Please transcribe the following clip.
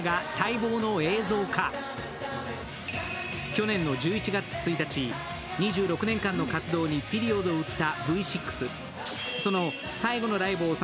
去年の１１月１日、２６年間の活動にピリオドを打ったＶ６。